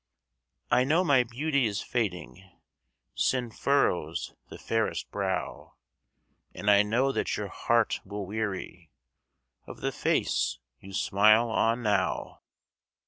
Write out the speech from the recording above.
I know my beauty is fading Sin furrows the fairest brow And I know that your heart will weary Of the face you smile on now.